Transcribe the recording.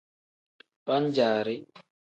Pan-jaari.